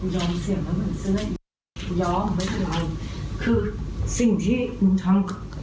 ยอมเสียงแล้วมันเสื้อยอมไม่เป็นไรคือสิ่งที่มึงทำ